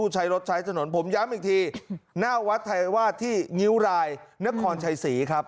ใช้รถใช้ถนนผมย้ำอีกทีหน้าวัดไทยวาดที่งิ้วรายนครชัยศรีครับ